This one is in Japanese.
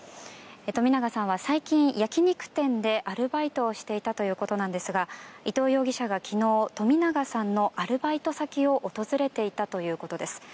冨永さんは最近、焼き肉店でアルバイトをしていたということなんですが伊藤容疑者が昨日冨永さんのアルバイト先を訪れていたということです。